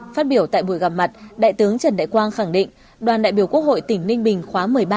phát biểu tại buổi gặp mặt đại tướng trần đại quang khẳng định đoàn đại biểu quốc hội tỉnh ninh bình khóa một mươi ba